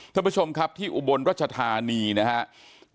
ท่านผู้ชมครับที่อุบลรัชธานีนะครับ